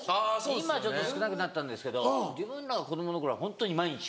今ちょっと少なくなったんですけど自分らが子供の頃はホントに毎日。